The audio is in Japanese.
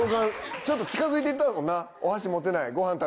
ちょっと近づいてったもんなお箸持てないご飯食べれない。